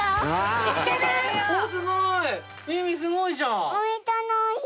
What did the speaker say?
雅己すごいじゃん！